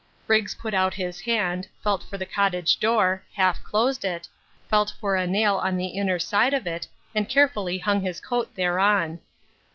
Briggs put out his hand, felt for the cottage door, half closed it, felt for a nail on the inner side of it, and carefully hung his coat thereon.